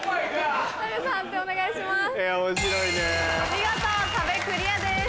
見事壁クリアです。